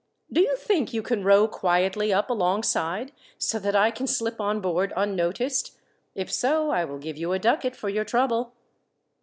Do you think you can row quietly up alongside so that I can slip on board unnoticed? If so I will give you a ducat for your trouble."